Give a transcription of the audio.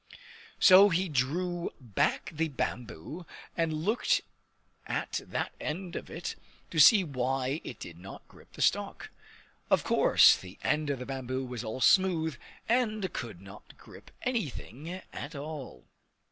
So he drew back the bamboo and looked at that end of it, to see why it did not grip the stalk. Of course the end of the bamboo was all smooth, and could not grip anything at all.